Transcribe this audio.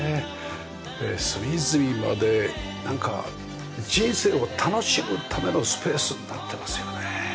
隅々までなんか人生を楽しむためのスペースになってますよね。